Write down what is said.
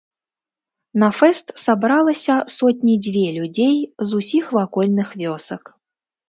На фэст сабралася сотні дзве людзей з усіх вакольных вёсак.